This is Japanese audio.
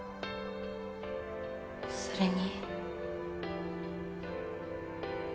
それに。